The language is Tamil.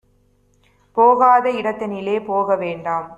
போகாத இடந்தனிலே போக வேண்டாம்